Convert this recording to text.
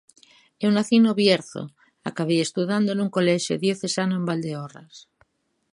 Eu nacín no Bierzo, acabei estudando nun colexio diocesano en Valdeorras.